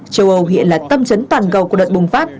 châu âu hiện là tâm trấn toàn cầu của đợt bùng phát